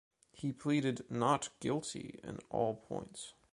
He pleaded “not guilty” in all points.